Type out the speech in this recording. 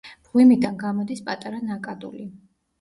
მღვიმიდან გამოდის პატარა ნაკადული.